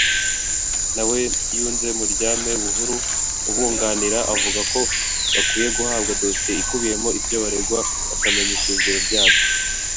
nawe yunze mu rya Me Buhuru ubunganira avuga ko bakwiye guhabwa dosiye ikubiyemo ibyo baregwa bakamenya ishingiro ryabyo